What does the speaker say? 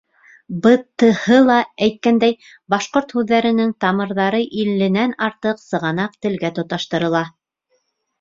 БТҺ-ла, әйткәндәй, башҡорт һүҙҙәренең тамырҙары илленән артыҡ сығанаҡ телгә тоташтырыла.